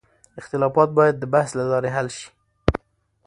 اختلافات باید د بحث له لارې حل شي.